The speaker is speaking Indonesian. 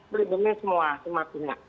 melindungi semua semua rumah